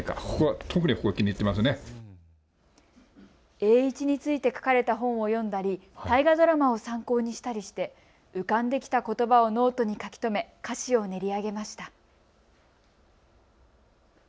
栄一について書かれた本を読んだり、大河ドラマを参考にしたりして浮かんできたことばをノートに書き留め歌詞を練り上げました。